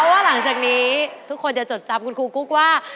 ว่าหลังจากนี้ทุกคนจะจดจำคุณครูกุ๊กว่า